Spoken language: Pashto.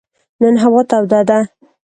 نن هوا توده ده.